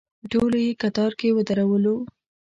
ټول یې کتار کې ودرولو.